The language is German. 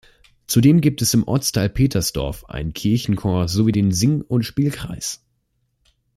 Zudem gibt es im Ortsteil Petersdorf einen Kirchenchor sowie den Sing- und Spielkreis.